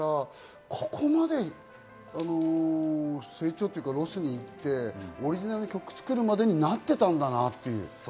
ここまで成長というか、ロスに行ってオリジナル曲を作るまでになっていたんだなって。